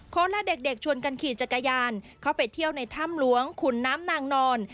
และเด็กชวนกันขี่จักรยานเข้าไปเที่ยวในถ้ำหลวงขุนน้ำนางนอน